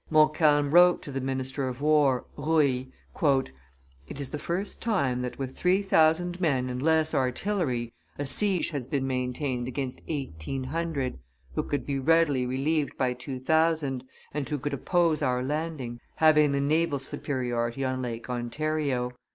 Montcalm wrote to the minister of war, Rouille, "It is the first time that, with three thousand men and less artillery, a siege has been maintained against eighteen hundred, who could be readily relieved by two thousand, and who could oppose our landing, having the naval superiority on Lake Ontario.